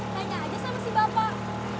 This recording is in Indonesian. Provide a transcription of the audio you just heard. tanya aja sama si bapak